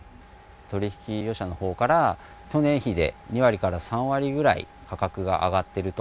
取り引き業者のほうから、去年比で２割から３割ぐらい価格が上がってると。